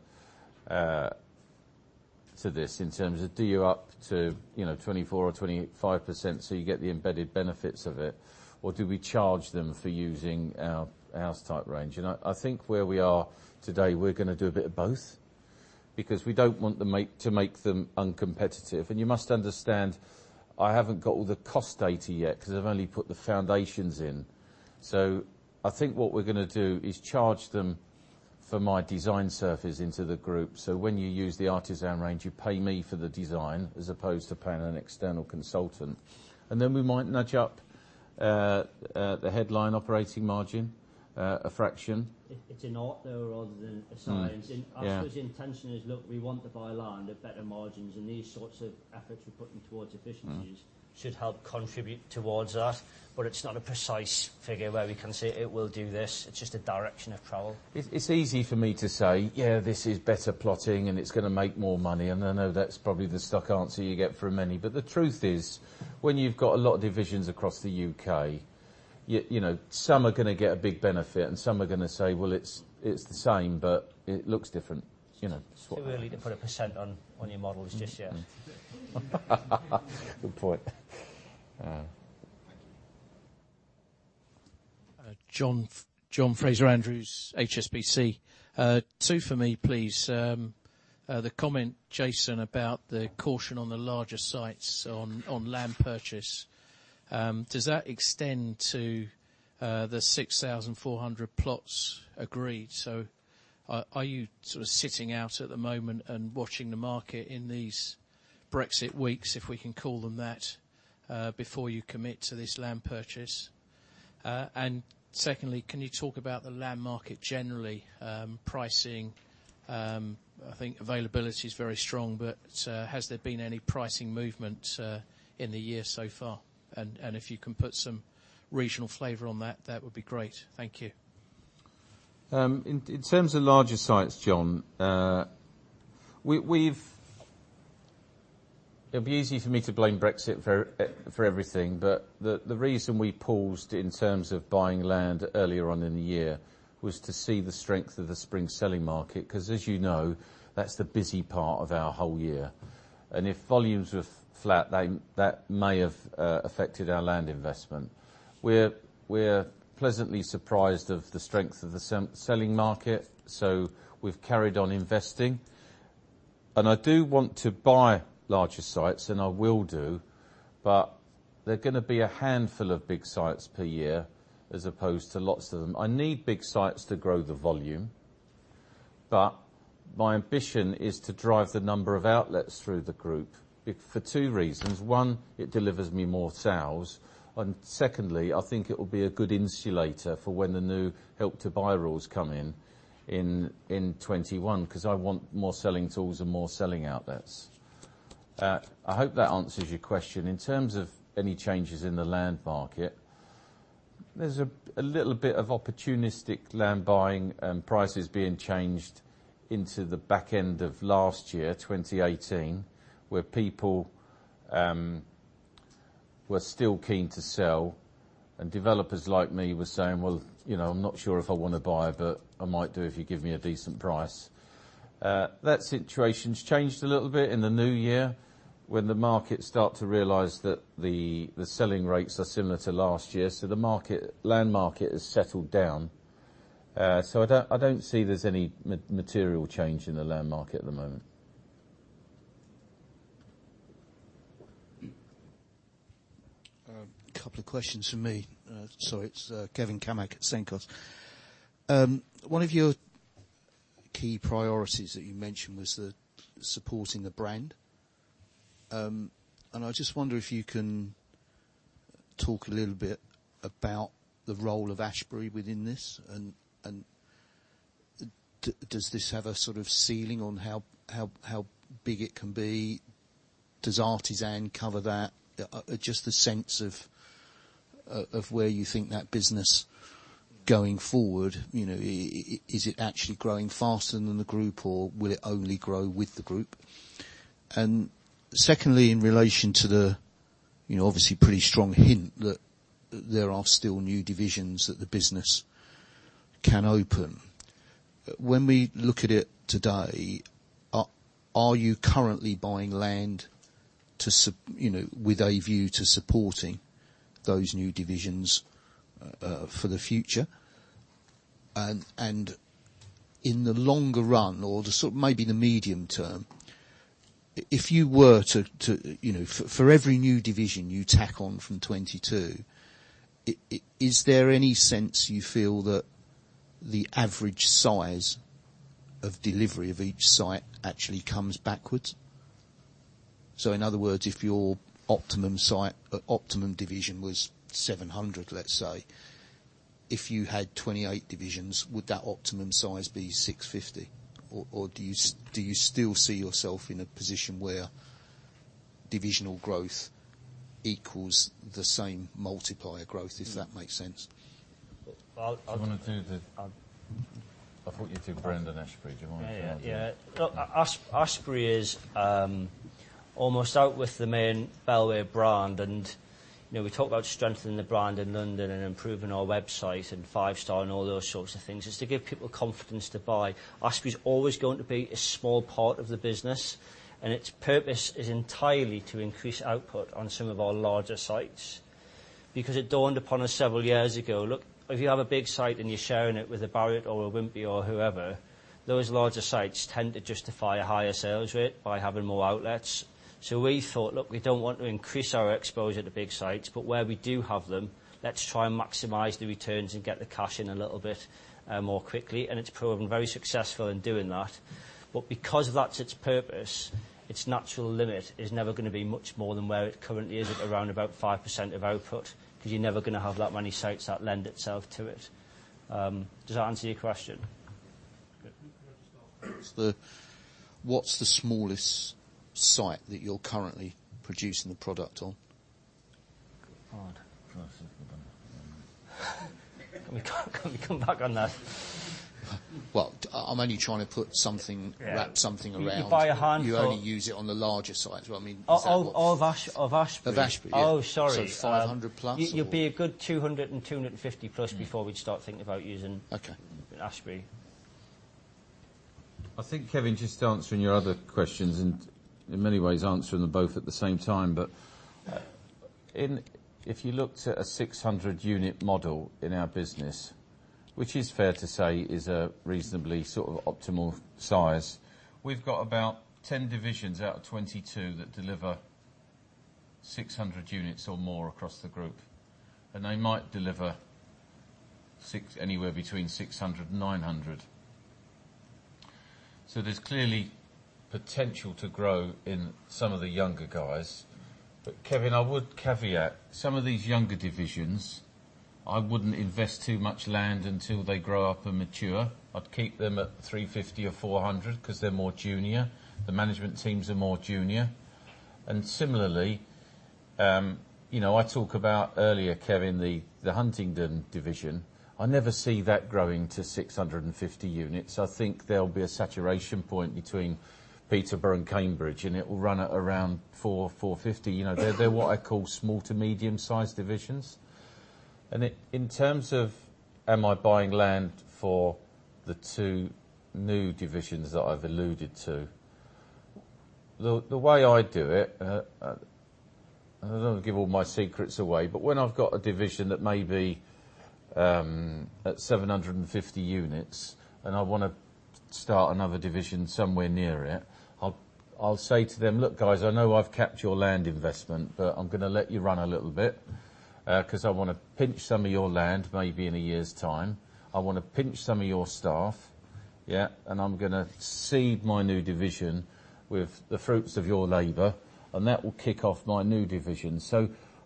Speaker 1: to this, in terms of do you up to 24% or 25% so you get the embedded benefits of it, or do we charge them for using our house type range? I think where we are today, we're going to do a bit of both, because we don't want to make them uncompetitive. You must understand, I haven't got all the cost data yet, because I've only put the foundations in. I think what we're going to do is charge them for my design surface into the group. When you use the Artisan range, you pay me for the design as opposed to paying an external consultant. Then we might nudge up the headline operating margin a fraction.
Speaker 2: It's an art, though, rather than a science.
Speaker 1: Yeah.
Speaker 2: Our intention is, look, we want to buy land at better margins, and these sorts of efforts we're putting towards efficiencies. should help contribute towards that. It's not a precise figure where we can say it will do this. It's just a direction of travel.
Speaker 1: It's easy for me to say, "Yeah, this is better plotting, and it's going to make more money." I know that's probably the stock answer you get from many. The truth is, when you've got a lot of divisions across the U.K., some are going to get a big benefit, and some are going to say, "Well, it's the same, but it looks different.
Speaker 2: Too early to put a % on your models just yet.
Speaker 1: Good point.
Speaker 7: Thank you.
Speaker 8: John Fraser-Andrews, HSBC. Two for me, please. The comment, Jason, about the caution on the larger sites on land purchase, does that extend to the 6,400 plots agreed? Are you sort of sitting out at the moment and watching the market in these Brexit weeks, if we can call them that, before you commit to this land purchase? Secondly, can you talk about the land market generally, pricing? I think availability's very strong, but has there been any pricing movement in the year so far? If you can put some regional flavor on that would be great. Thank you.
Speaker 1: In terms of larger sites, John, it'd be easy for me to blame Brexit for everything, but the reason we paused in terms of buying land earlier on in the year was to see the strength of the spring selling market, because as you know, that's the busy part of our whole year. If volumes were flat, that may have affected our land investment. We're pleasantly surprised of the strength of the selling market, so we've carried on investing. I do want to buy larger sites, and I will do, but they're going to be a handful of big sites per year as opposed to lots of them. I need big sites to grow the volume, but my ambition is to drive the number of outlets through the group, for 2 reasons. 1, it delivers me more sales. Secondly, I think it will be a good insulator for when the new Help to Buy rules come in in 2021, because I want more selling tools and more selling outlets. I hope that answers your question. In terms of any changes in the land market. There's a little bit of opportunistic land buying and prices being changed into the back end of last year, 2018, where people were still keen to sell, and developers like me were saying, "Well, I'm not sure if I want to buy, but I might do if you give me a decent price." That situation's changed a little bit in the new year when the market start to realize that the selling rates are similar to last year. The land market has settled down. I don't see there's any material change in the land market at the moment.
Speaker 9: A couple of questions from me. Sorry, it's Kevin Cammack at Cenkos. One of your key priorities that you mentioned was supporting the brand. I just wonder if you can talk a little bit about the role of Ashberry within this and does this have a sort of ceiling on how big it can be? Does Artisan cover that? Just the sense of where you think that business going forward, is it actually growing faster than the group or will it only grow with the group? Secondly, in relation to the obviously pretty strong hint that there are still new divisions that the business can open. When we look at it today, are you currently buying land with a view to supporting those new divisions, for the future? In the longer run or the sort of maybe the medium term, if you were to, for every new division you tack on from 22, is there any sense you feel that the average size of delivery of each site actually comes backwards? In other words, if your optimum division was 700 let's say, if you had 28 divisions, would that optimum size be 650? Do you still see yourself in a position where divisional growth equals the same multiplier growth? If that makes sense.
Speaker 1: Do you want to do the I thought you'd do brand and Ashberry. Do you want to do that?
Speaker 2: Yeah. Ashberry is almost out with the main Bellway brand, and we talk about strengthening the brand in London and improving our website and five star and all those sorts of things, is to give people confidence to buy. Ashberry's always going to be a small part of the business, and its purpose is entirely to increase output on some of our larger sites. It dawned upon us several years ago, look, if you have a big site and you're sharing it with a Barratt or a Wimpey or whoever, those larger sites tend to justify a higher sales rate by having more outlets. We thought, look, we don't want to increase our exposure to big sites, but where we do have them, let's try and maximize the returns and get the cash in a little bit more quickly. It's proven very successful in doing that. Because that's its purpose, its natural limit is never going to be much more than where it currently is at around about 5% of output, because you're never going to have that many sites that lend itself to it. Does that answer your question?
Speaker 9: Good.
Speaker 1: What's the-
Speaker 9: What's the smallest site that you're currently producing the product on?
Speaker 2: God.
Speaker 1: Across the board, I don't know.
Speaker 2: Can we come back on that?
Speaker 9: Well, I'm only trying to put something.
Speaker 2: Yeah
Speaker 9: wrap something around.
Speaker 2: You buy a handful.
Speaker 9: You only use it on the larger sites. Well, I mean, is that what?
Speaker 2: Of Ashberry?
Speaker 9: Of Ashberry, yeah.
Speaker 2: Oh, sorry.
Speaker 9: It's 500 plus?
Speaker 2: You'd be a good 200 and 250 plus before we'd start thinking about.
Speaker 9: Okay
Speaker 2: Ashberry.
Speaker 1: I think, Kevin, just answering your other questions, in many ways answering them both at the same time, if you looked at a 600 unit model in our business, which is fair to say is a reasonably sort of optimal size, we've got about 10 divisions out of 22 that deliver 600 units or more across the group. They might deliver anywhere between 600, 900. There's clearly potential to grow in some of the younger guys. Kevin, I would caveat, some of these younger divisions, I wouldn't invest too much land until they grow up and mature. I'd keep them at 350 or 400 because they're more junior. The management teams are more junior. Similarly, I talk about earlier, Kevin, the Huntingdon division. I never see that growing to 650 units. I think there'll be a saturation point between Peterborough and Cambridge, it will run at around 400, 450. They're what I call small to medium sized divisions. In terms of am I buying land for the two new divisions that I've alluded to, the way I do it, I don't want to give all my secrets away, when I've got a division that may be at 750 units and I want to start another division somewhere near it, I'll say to them, "Look, guys, I know I've capped your land investment, I'm going to let you run a little bit, I want to pinch some of your land maybe in a year's time. I want to pinch some of your staff, yeah, and I'm going to seed my new division with the fruits of your labor, and that will kick off my new division.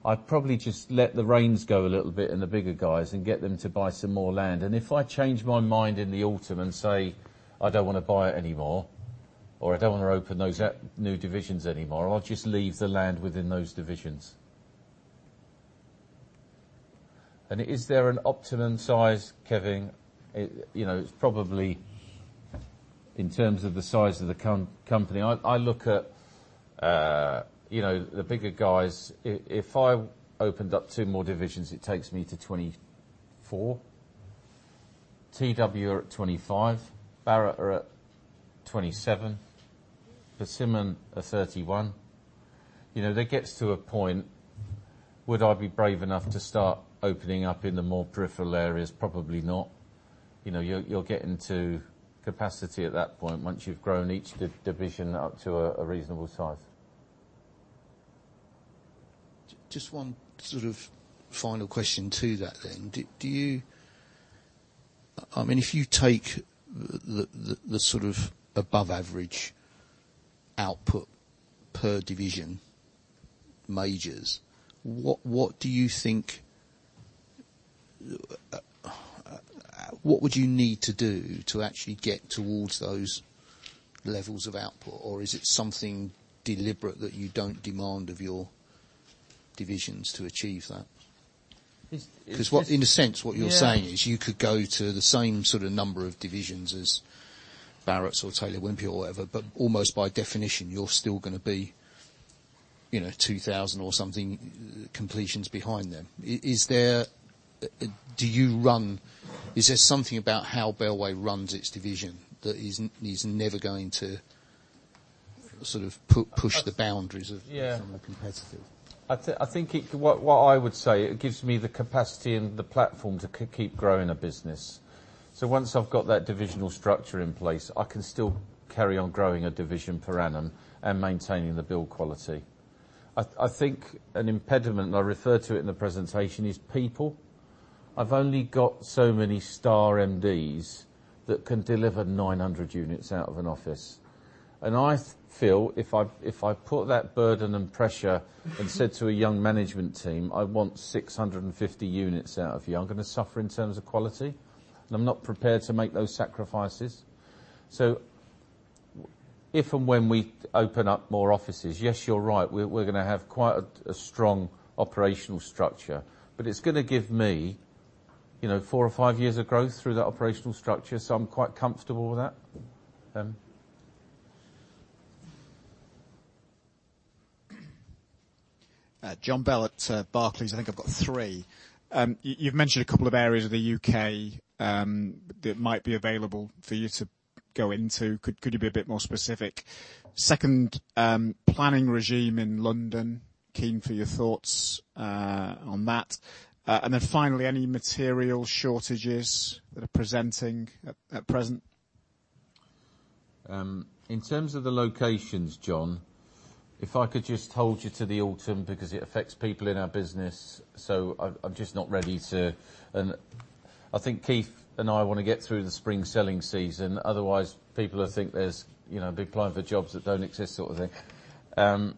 Speaker 1: I'd probably just let the reins go a little bit in the bigger guys and get them to buy some more land. If I change my mind in the autumn and say I don't want to buy it anymore. I don't want to open those up new divisions anymore. I'll just leave the land within those divisions. Is there an optimum size, Kevin? It's probably, in terms of the size of the company, I look at the bigger guys. If I opened up two more divisions, it takes me to 24. TW are at 25. Barratt are at 27. Persimmon are 31. That gets to a point, would I be brave enough to start opening up in the more peripheral areas? Probably not. You'll get into capacity at that point, once you've grown each division up to a reasonable size.
Speaker 9: Just one sort of final question to that. If you take the sort of above-average output per division majors, what would you need to do to actually get towards those levels of output? Or is it something deliberate that you don't demand of your divisions to achieve that?
Speaker 1: It's-
Speaker 9: In a sense, what you're saying.
Speaker 1: Yeah
Speaker 9: You could go to the same sort of number of divisions as Barratt or Taylor Wimpey or whatever, but almost by definition, you're still going to be 2,000 or something completions behind them. Is there something about how Bellway runs its division that is never going to sort of push the boundaries of
Speaker 1: Yeah
Speaker 9: become more competitive?
Speaker 1: I think what I would say, it gives me the capacity and the platform to keep growing a business. Once I've got that divisional structure in place, I can still carry on growing a division per annum and maintaining the build quality. I think an impediment, and I referred to it in the presentation, is people. I've only got so many star MDs that can deliver 900 units out of an office. I feel if I put that burden and pressure and said to a young management team, "I want 650 units out of you," I'm going to suffer in terms of quality, and I'm not prepared to make those sacrifices. If and when we open up more offices, yes, you're right, we're going to have quite a strong operational structure. It's going to give me four or five years of growth through that operational structure. I'm quite comfortable with that.
Speaker 10: John Bell at Barclays. I think I've got three. You've mentioned a couple of areas of the U.K. that might be available for you to go into. Could you be a bit more specific? Second, planning regime in London, keen for your thoughts on that. Finally, any material shortages that are presenting at present?
Speaker 1: In terms of the locations, John, if I could just hold you to the autumn because it affects people in our business. I think Keith and I want to get through the spring selling season, otherwise people will think there's a big apply for jobs that don't exist sort of thing.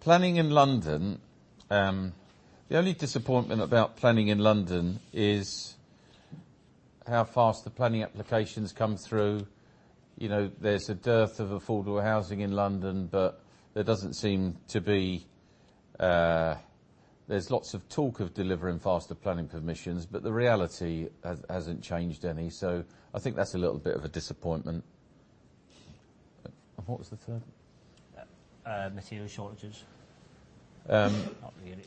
Speaker 1: Planning in London. The only disappointment about planning in London is how fast the planning applications come through. There's a dearth of affordable housing in London. There's lots of talk of delivering faster planning permissions, but the reality hasn't changed any. I think that's a little bit of a disappointment. What was the third?
Speaker 2: Material shortages. Not really.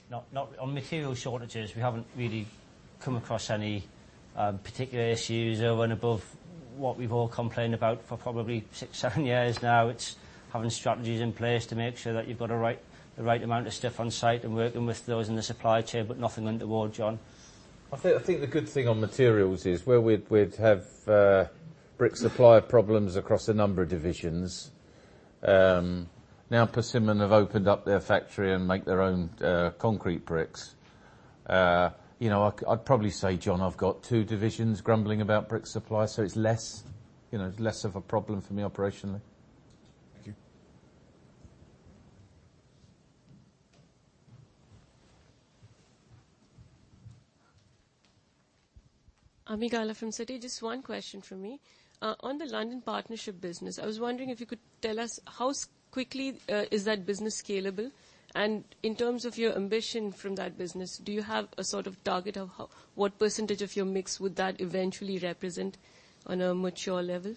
Speaker 2: On material shortages, we haven't really come across any particular issues over and above what we've all complained about for probably six, seven years now. It's having strategies in place to make sure that you've got the right amount of stuff on site and working with those in the supply chain, nothing untoward, John.
Speaker 1: I think the good thing on materials is where we'd have brick supply problems across a number of divisions, now Persimmon have opened up their factory and make their own concrete bricks. I'd probably say, John, I've got two divisions grumbling about brick supply, so it's less of a problem for me operationally.
Speaker 10: Thank you.
Speaker 11: Ami Galla from Citi. Just one question from me. On the London Partnership business, I was wondering if you could tell us how quickly is that business scalable? In terms of your ambition from that business, do you have a sort of target of what % of your mix would that eventually represent on a mature level?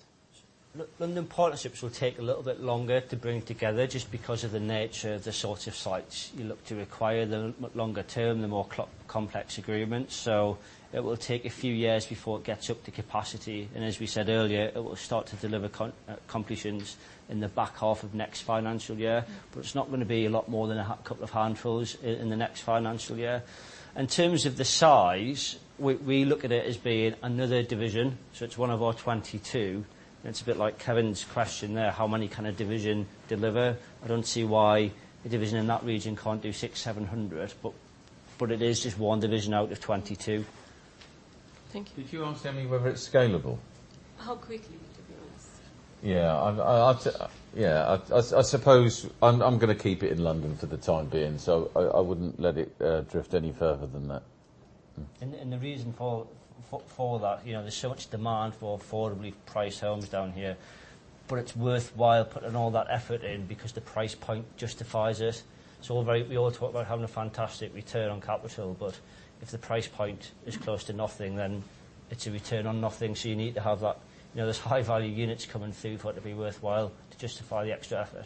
Speaker 2: London Partnerships will take a little bit longer to bring together, just because of the nature of the sort of sites you look to acquire, the longer term, the more complex agreements. It will take a few years before it gets up to capacity. As we said earlier, it will start to deliver completions in the back half of next financial year. It's not going to be a lot more than a couple of handfuls in the next financial year. In terms of the size, we look at it as being another division, so it's one of our 22. It's a bit like Kevin's question there, how many can a division deliver? I don't see why a division in that region can't do 600, 700, but it is just one division out of 22.
Speaker 11: Thank you.
Speaker 1: Did you ask, Ami, whether it's scalable?
Speaker 11: How quickly, it was.
Speaker 1: Yeah. I suppose I'm going to keep it in London for the time being, so I wouldn't let it drift any further than that.
Speaker 2: The reason for that, there's so much demand for affordably priced homes down here, but it's worthwhile putting all that effort in because the price point justifies it. We all talk about having a fantastic return on capital, but if the price point is close to nothing, then it's a return on nothing, so you need to have those high-value units coming through for it to be worthwhile to justify the extra effort.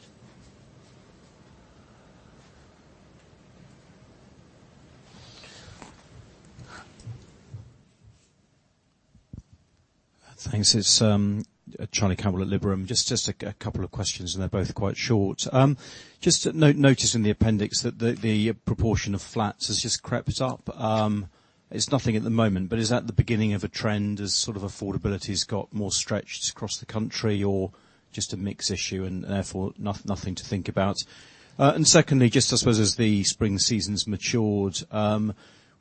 Speaker 12: Thanks. It's Charlie Campbell at Liberum. Just a couple of questions, and they're both quite short. Noticed in the appendix that the proportion of flats has just crept up. It's nothing at the moment, but is that the beginning of a trend as sort of affordability's got more stretched across the country, or just a mix issue and therefore nothing to think about? Secondly, I suppose as the spring season's matured,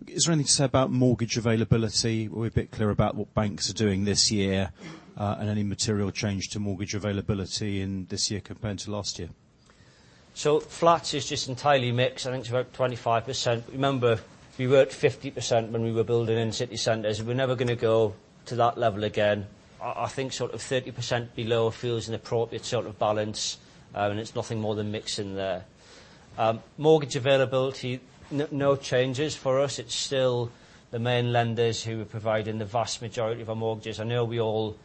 Speaker 12: is there anything to say about mortgage availability? Are we a bit clear about what banks are doing this year, and any material change to mortgage availability in this year compared to last year?
Speaker 2: Flats is entirely mix. I think it's about 25%. Remember, we were at 50% when we were building in city centers. We're never going to go to that level again. I think sort of 30% below feels an appropriate sort of balance, and it's nothing more than mix in there. Mortgage availability, no changes for us. It's still the main lenders who are providing the vast majority of our mortgages. I know we all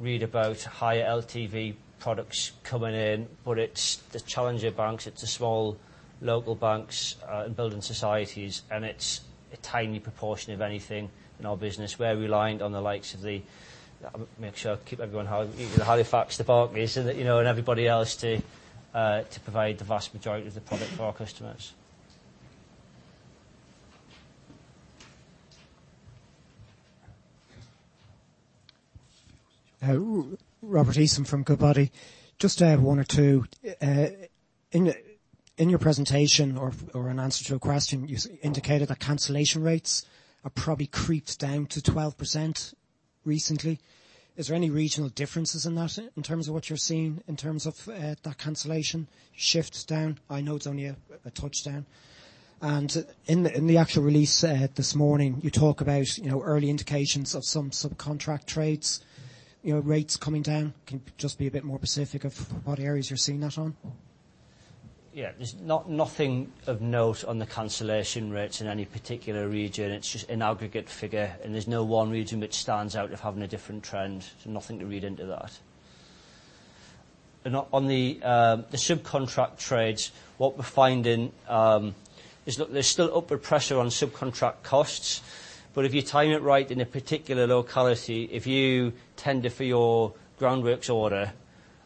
Speaker 2: read about higher LTV products coming in, but it's the challenger banks, it's the small local banks and building societies, and it's a tiny proportion of anything in our business. We're relying on the likes of Halifax, NatWest and everybody else, to provide the vast majority of the product for our customers.
Speaker 13: Hello. Robert Eason from Goodbody. Just one or two. In your presentation or in answer to a question, you indicated that cancellation rates are probably creeped down to 12% recently. Is there any regional differences in that in terms of what you're seeing in terms of that cancellation shift down? I know it's only a touch down. In the actual release this morning, you talk about early indications of some subcontract trades, rates coming down. Can you be a bit more specific of what areas you're seeing that on?
Speaker 2: There's nothing of note on the cancellation rates in any particular region. It's just an aggregate figure, and there's no one region which stands out of having a different trend. Nothing to read into that. On the subcontract trades, what we're finding is, look, there's still upward pressure on subcontract costs, but if you time it right in a particular locality, if you tender for your groundworks order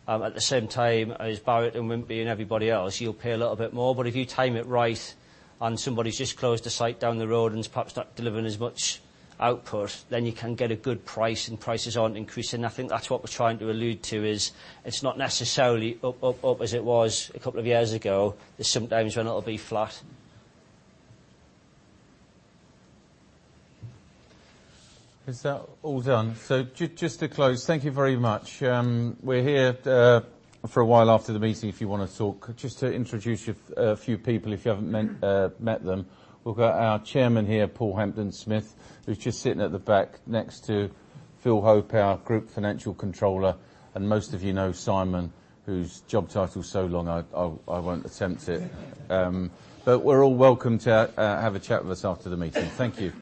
Speaker 2: at the same time as Barratt and Wimpey and everybody else, you'll pay a little bit more. But if you time it right and somebody's just closed a site down the road and is perhaps not delivering as much output, then you can get a good price, and prices aren't increasing. I think that's what we're trying to allude to is it's not necessarily up, up as it was a couple of years ago. There's some times when it'll be flat.
Speaker 1: Is that all done? Just to close, thank you very much. We're here for a while after the meeting if you want to talk. Just to introduce you a few people, if you haven't met them. We've got our Chairman here, Paul Hampden-Smith, who's just sitting at the back next to Phil Hope, our Group Financial Controller, and most of you know Simon, whose job title's so long I won't attempt it. We're all welcome to have a chat with us after the meeting. Thank you.